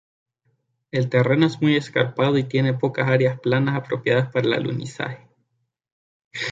El terreno es muy escarpado y tiene pocas áreas planas apropiadas para el alunizaje.